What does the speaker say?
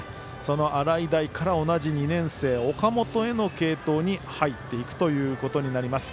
洗平から、同じ２年生岡本への継投に入っていくということになります。